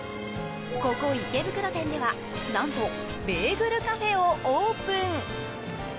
ここ池袋店では何とベーグルカフェをオープン。